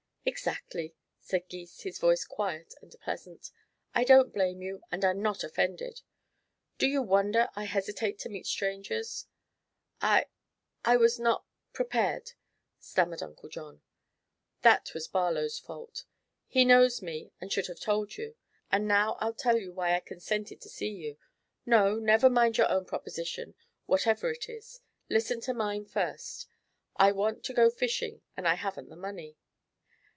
"Exactly," said Gys, his voice quiet and pleasant. "I don't blame you and I'm not offended. Do you wonder I hesitate to meet strangers?" "I I was not prepared," stammered Uncle John. "That was Barlow's fault. He knows me and should have told you. And now I'll tell you why I consented to see you. No! never mind your own proposition, whatever it is. Listen to mine first. I want to go fishing, and I haven't the money.